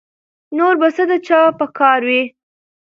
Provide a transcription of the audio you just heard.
نور به څه د چا په کار وي